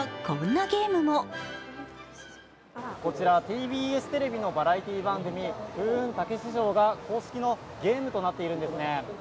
こちらＴＢＳテレビのバラエティー番組「風雲！たけし城」が公式のゲームとなっているんですね。